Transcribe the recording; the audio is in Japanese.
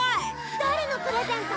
誰のプレゼント？